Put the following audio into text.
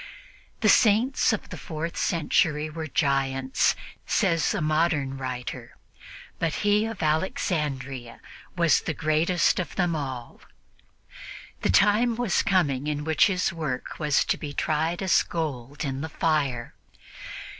"The Saints of the fourth century were giants," says a modern writer, "but he of Alexandria was the greatest of them all." The time was coming in which his work was to be tried as gold in the fire.